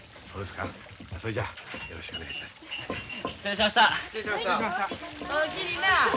それじゃあよろしくお願いします。